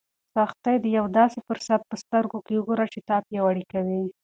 سختۍ ته د یو داسې فرصت په سترګه ګوره چې تا پیاوړی کوي.